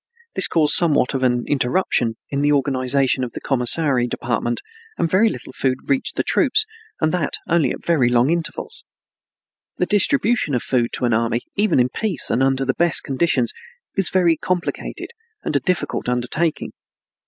This caused somewhat of an interruption in the organization of the commissary department and very little food reached the troops, and that only at very long intervals. The distribution of food to an army, even in peace and under the best conditions, is a very complicated and difficult undertaking.